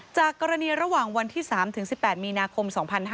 จากกรณีระหว่างวันที่๓๑๘มีนาคม๒๕๕๙